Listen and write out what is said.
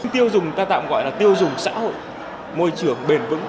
tiêu dùng ta tạm gọi là tiêu dùng xã hội môi trường bền vững